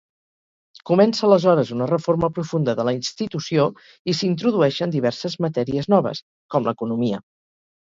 Comença aleshores una reforma profunda de la institució, i s'introdueixen diverses matèries noves, com l'economia.